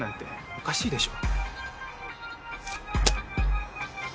おかしいでしょ。